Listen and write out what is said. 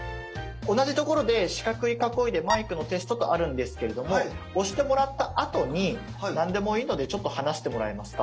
同じところで四角い囲いで「マイクのテスト」とあるんですけれども押してもらったあとに何でもいいのでちょっと話してもらえますか？